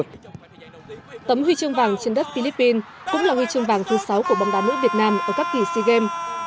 tấm huy chương vàng trên đất philippines cũng là huy chương vàng thứ sáu của bóng đá nữ việt nam ở các kỳ sea games